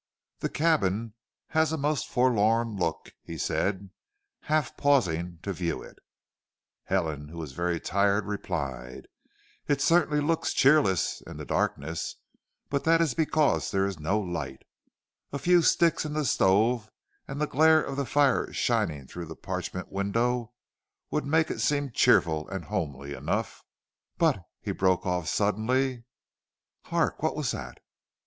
"The cabin has a most forlorn look," he said, half pausing to view it. Helen, who was very tired, replied, "It certainly looks cheerless in the darkness, but that is because there is no light. A few sticks in the stove and the glare of the fire shining through the parchment window would make it seem cheerful and homey enough." "But " he broke off suddenly. "Hark. What was that?"